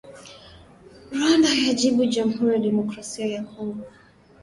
Rwanda yajibu Jamuhuri ya Demokrasia ya Kongo